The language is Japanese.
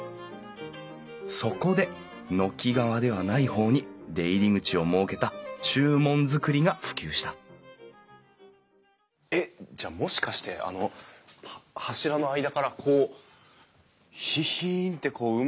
そこで軒側ではない方に出入り口を設けた中門造りが普及したえっじゃあもしかしてあの柱の間からこうヒヒンってこう馬が首を出してたんですかね？